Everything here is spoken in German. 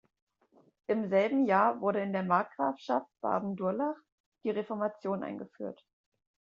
Im selben Jahr wurde in der Markgrafschaft Baden-Durlach die Reformation eingeführt.